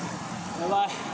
やばい。